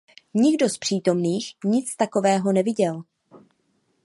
Nikdo z přítomných nic takového neviděl.